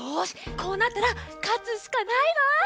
こうなったらかつしかないわ。